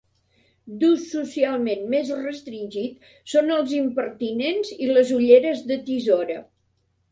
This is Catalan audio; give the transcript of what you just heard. D'ús socialment més restringit són els impertinents i les ulleres de tisora.